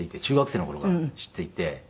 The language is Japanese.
中学生の頃から知っていて。